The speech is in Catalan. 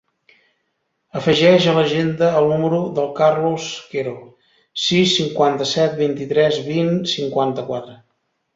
Afegeix a l'agenda el número del Carlos Quero: sis, cinquanta-set, vint-i-tres, vint, cinquanta-quatre.